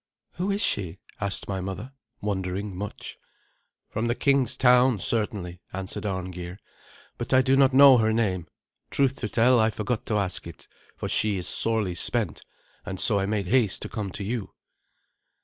"Who is she?" asked my mother, wondering much. "From the king's town, certainly," answered Arngeir, "but I do not know her name. Truth to tell, I forgot to ask it, for she is sorely spent; and so I made haste to come to you."